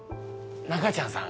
ナカちゃんさん